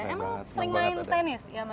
emang sering main tenis